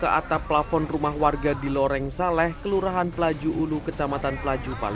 ke atap pelafon rumah warga di loreng saleh kelurahan pelaju ulu kecamatan pelaju palegu